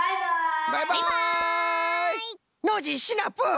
ノージーシナプー！